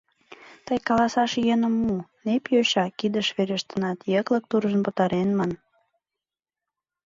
Тый каласаш йӧным му: нэп йоча кидыш верештынат, йыклык туржын пытарен, ман.